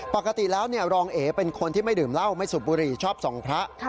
ปกติแล้วรองเอเป็นคนที่ไม่ดื่มเหล้าไม่สูบบุหรี่ชอบส่องพระ